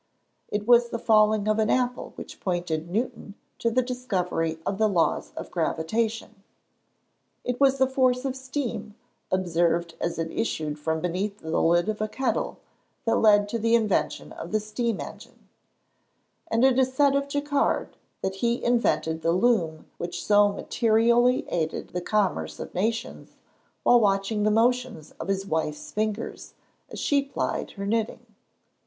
It was the falling of an apple which pointed Newton to the discovery of the laws of gravitation. It was the force of steam, observed as it issued from beneath the lid of a kettle, that led to the invention of the steam engine. And it is said of Jacquard, that he invented the loom which so materially aided the commerce of nations, while watching the motions of his wife's fingers, as she plied her knitting.